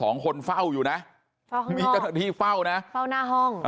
สองคนเฝ้าอยู่นะเฝ้านี่เจ้าหน้าที่เฝ้านะเฝ้าหน้าห้อง